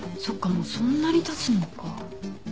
もうそんなにたつのか。